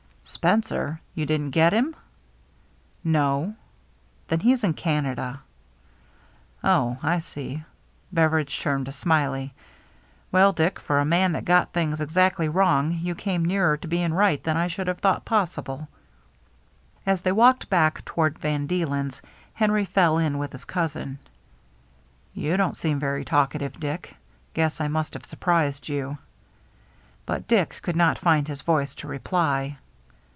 " Spencer ? You didn't get him ?" "No." " Then he's in Canada." " Oh, I see." Beveridge turned to Smiley. " Well, Dick, for a man that got things exactly 373 374 THE MERRr ANNE wrong, you came nearer to being right than I should have thought possible." As they walked back toward Van Deelen's, Henry fell in with his cousin. " You don't seem very talkative, Dick. Guess I must have surprised you." But Dick could not find his voice to reply.